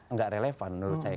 enggak relevan menurut saya